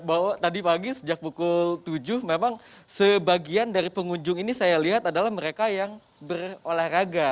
bahwa tadi pagi sejak pukul tujuh memang sebagian dari pengunjung ini saya lihat adalah mereka yang berolahraga